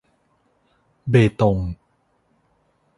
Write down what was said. เบตง